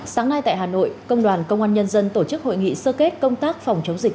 sáng nay tại hà nội công đoàn công an nhân dân tổ chức hội nghị sơ kết công tác phòng chống dịch